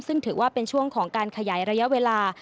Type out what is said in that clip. ซึ่งถือว่าเป็นช่วงของการขยายระยะเวลา